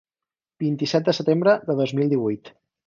Vint-i-set de setembre de dos mil divuit.